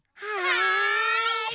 はい。